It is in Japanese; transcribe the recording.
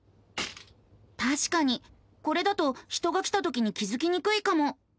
たしかにこれだと人が来たときに気付きにくいかも。